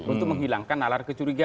untuk menghilangkan alat kecurigaan